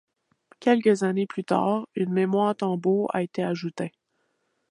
Quelques années plus tard une mémoire tambour a été ajoutée.